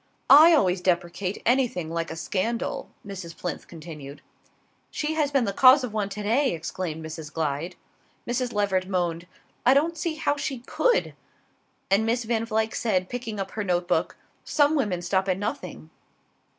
"I always deprecate anything like a scandal " Mrs. Plinth continued. "She has been the cause of one to day!" exclaimed Miss Glyde. Mrs. Leveret moaned: "I don't see how she could!" and Miss Van Vluyck said, picking up her note book: "Some women stop at nothing."